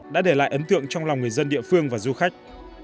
đã để lại ấn tượng trong lòng người dân địa phương và du khách